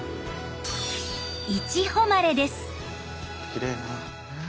きれいだな。